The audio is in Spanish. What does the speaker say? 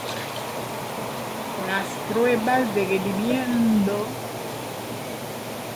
Las pruebas de rendimiento pueden servir para diferentes propósitos.